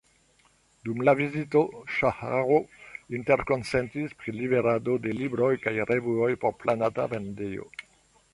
Dum la vizito Saĥarov interkonsentis pri liverado de libroj kaj revuoj por planata vendejo.